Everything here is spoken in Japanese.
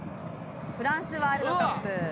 「フランスワールドカップ」